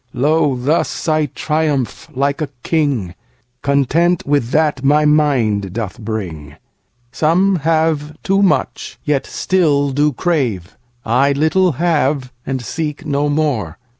Lo, thus I triumph like a king, Content with that my mind doth bring. Some have too much, yet still do crave;I little have, and seek no more.